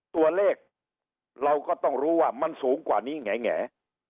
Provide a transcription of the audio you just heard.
ตัวเลขเราก็ต้องรู้ว่ามันสูงกว่านี้แหง